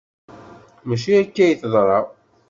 Maci akka ay teḍra.